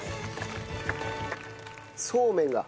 そうめんが。